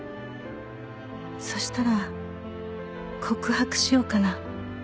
「そしたら告白しようかな」